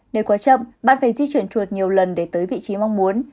nếu quá chậm bạn phải di chuyển chuột nhiều lần để tới vị trí mong muốn